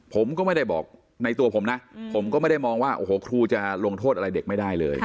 ผมก็ไม่ได้บอกในตัวผมนะผมก็ไม่ได้มองว่าโอ้โหครูจะลงโทษอะไรเด็กไม่ได้เลย